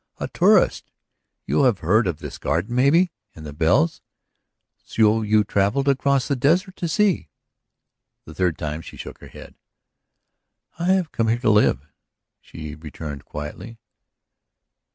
"A tourist. You have heard of this garden, maybe? And the bells? So you travelled across the desert to see?" The third time she shook her head. "I have come to live here," she returned quietly.